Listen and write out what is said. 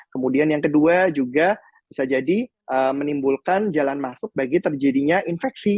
kemudian yang kedua juga bisa jadi menimbulkan jalan masuk bagi terjadinya infeksi